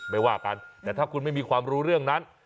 ว่ากันแต่ถ้าคุณไม่มีความรู้เรื่องนั้น